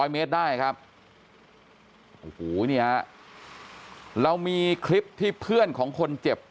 เมตรได้ครับโอ้โหนี่ฮะเรามีคลิปที่เพื่อนของคนเจ็บ